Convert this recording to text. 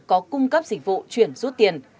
có cung cấp dịch vụ chuyển rút tiền